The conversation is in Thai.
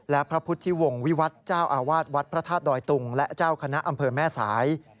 และพระพุทธิวงศ์วิวัฒน์เจ้าอาวาสวัดพระธาตุดอยตุงและเจ้าคณะอำเภอแม่สาย